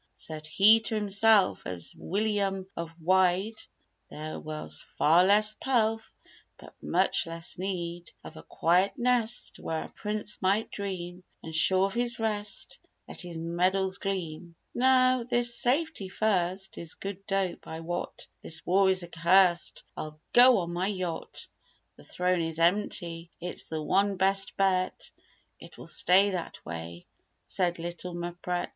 Said he to himself "As Wilyum of Wied There was far less pelf But much less need Of a quiet nest Where a prince might dream And sure of his rest Let his medals gleam. Now this 'safety first' Is good dope, I wot: This war is accursed I'll go on my yacht." The throne is empty: "It's the one best bet, It will stay that way!" Said little Mpret.